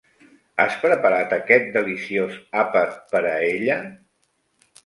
Has preparat aquest deliciós àpat per a ella?